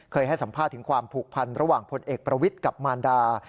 ให้สัมภาษณ์ถึงความผูกพันระหว่างพลเอกประวิทย์กับมารดา